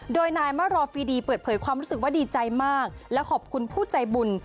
โดยนายมารอฟีดีเปิดเผยความรู้สึกว่าดีใจมากและขอบคุณผู้ใจบุญ